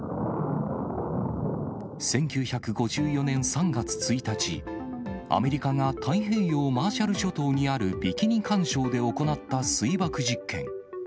１９５４年３月１日、アメリカが太平洋マーシャル諸島にあるビキニ環礁で行った水爆実験。